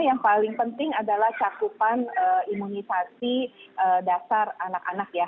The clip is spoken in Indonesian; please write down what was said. yang paling penting adalah cakupan imunisasi dasar anak anak ya